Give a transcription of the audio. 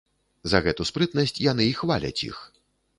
За гэту спрытнасць яны й хваляць іх.